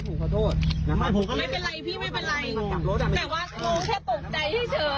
แนะคะที่นุ้งแค่กลับต้นใจให้เฉย